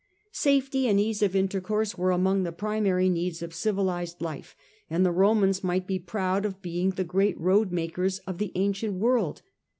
Safety and ease of intercourse are among the primary needs of civilized life, and the Romans might be proud of being the great road makers of the ancient ^ world.